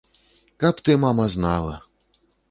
Каб ты, мама, знала!